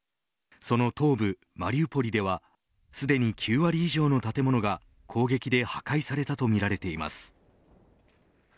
その東部マリウポリではすでに９割以上の建物が攻撃で破壊されたとみられています。